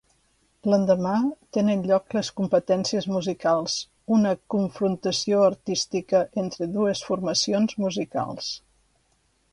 L'endemà, tenen lloc les Competències Musicals, una confrontació artística entre dues formacions musicals.